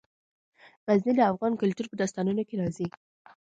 غزني د افغان کلتور په داستانونو کې راځي.